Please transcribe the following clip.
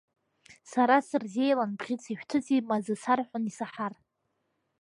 Са сырзеилан бӷьыци шәҭыци, маӡа сарҳәон исаҳар.